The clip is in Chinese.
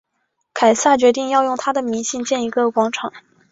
凯撒决定要用他的名兴建一个广场。